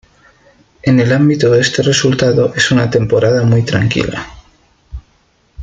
En el ámbito de este resultado ser una temporada muy tranquila.